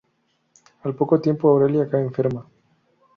Al poco tiempo, Aurelia cae enferma.